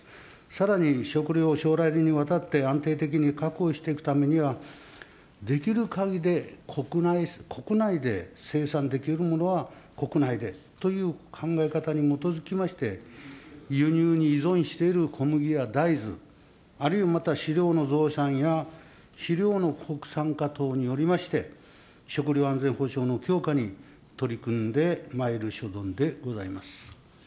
さらに食料、将来的にわたって安定的に確保していくためには、できるかぎりで、国内で生産できるものは国内でという考え方に基づきまして、輸入に依存している小麦や大豆、あるいはまた飼料の増産や肥料の国産化等によりまして、食料安全保障の強化に取り組んでまいる所存でございます。